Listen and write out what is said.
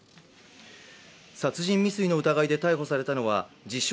殺人未遂の疑いで逮捕されたのは自称